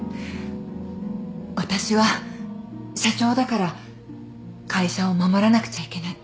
私は社長だから会社を守らなくちゃいけない。